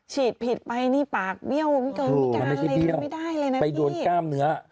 ฉีดผิดไปปากเบี้ยวไม่ได้เลยนะพี่